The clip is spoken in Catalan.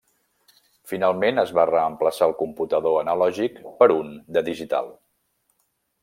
Finalment es va reemplaçar el computador analògic per un de digital.